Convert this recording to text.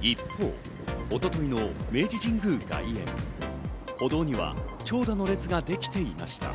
一方、一昨日の明治神宮外苑、歩道には長蛇の列ができていました。